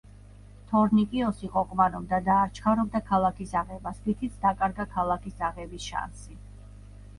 თორნიკიოსი ყოყმანობდა და არ ჩქარობდა ქალაქის აღებას, რითიც დაკარგა ქალაქის აღების შანსი.